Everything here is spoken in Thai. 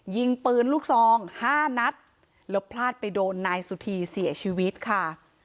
ยิงปืนลูกซองห้านัดแล้วพลาดไปโดนนายสุธีเสียชีวิตค่ะ